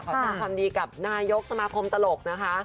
ขอดีกับนายกสมาครมตลกนะคะ